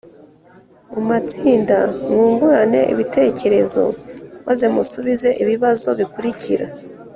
mu matsinda, mwungurane ibitekerezo, maze musubize ibibazo bikurikira